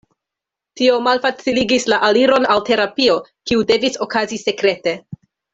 Tio malfaciligis la aliron al terapio, kiu devis okazi sekrete.